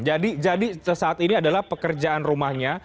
jadi jadi saat ini adalah pekerjaan rumahnya